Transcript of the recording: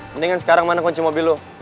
mendingan sekarang mana kunci mobil lo